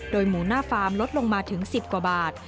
หมูหน้าฟาร์มลดลงมาถึง๑๐กว่าบาท